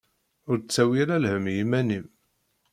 Ur d-ttawi ara lhemm i iman-im.